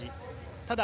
ただ